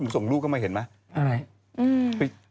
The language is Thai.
ส่งลูกเข้ามาเห็นไหม